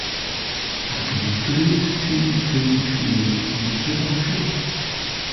Mae gen i grys T pinc newydd ond mae'n rhy fach i fi.